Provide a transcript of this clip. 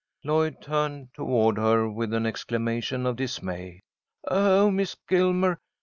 Lloyd turned toward her with an exclamation of dismay. "Oh, Miss Gilmer!